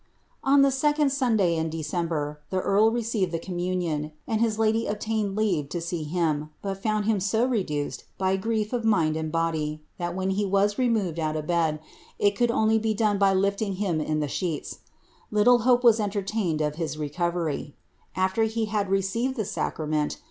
On the second Suaihy in December, the earl received the communion, and his lady obtaiofd leave lo see him, but found him so reduced, by grief of mind and bodv. Jhai when he was removed out of bed, it could only be done by lifuy }iiiB in the sheets. Little hope was entertained of his recovery. Al^'' he had received the sacrament.